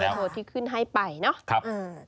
โทรที่ขึ้นให้ไปเนาะ